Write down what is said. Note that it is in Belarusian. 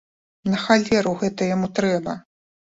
На халеру гэта яму трэба?